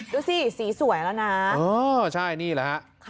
ดูสิสีสวยแล้วนะอ๋อใช่นี่แหละครับค่ะ